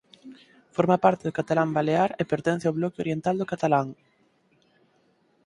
Forma parte do catalán balear e pertence ao bloque oriental do catalán.